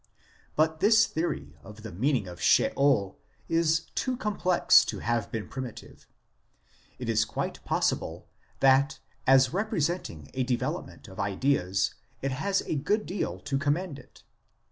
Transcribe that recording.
But this theory of the meaning of Sheol is too complex to have been primitive ; it is quite possible that as representing a development of ideas it has a good deal to commend it.